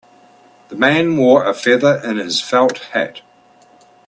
The man wore a feather in his felt hat.